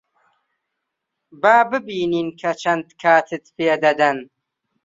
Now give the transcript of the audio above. با ببینین کە چەند کاتت پێ دەدەن.